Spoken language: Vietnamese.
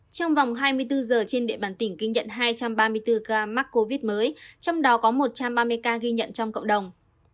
trong vòng hai mươi bốn giờ trên địa bàn tỉnh ghi nhận hai trăm ba mươi bốn ca mắc covid mới trong đó có một trăm ba mươi ca ghi nhận trong cộng đồng